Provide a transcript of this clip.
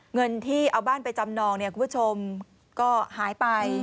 เงินที่เอาบ้านไปจำนองเนี่ยคุณผู้ชมก็หายไป